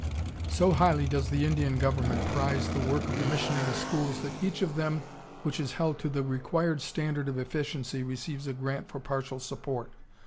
] So highly does the Indian government prize the work of the missionary schools that each of them which is held to the required standard of efficiency receives a grant for partial support.